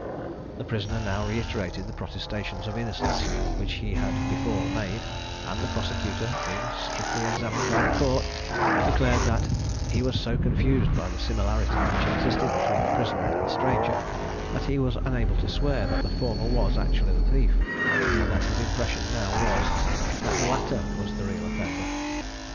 The prisoner now reiterated the protestations of innocence which he had before made; and the prosecutor, being strictly examined by the Court, declared that he was so confused by the similarity which existed between the prisoner and the stranger, that he was unable to swear that the former was actually the thief; and that his impression now was, that the latter was the real offender.